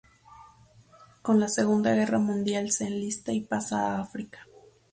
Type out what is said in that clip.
Con la segunda guerra mundial se enlista y pasa a África.